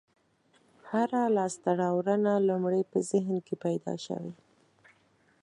هره لاستهراوړنه لومړی په ذهن کې پیدا شوې.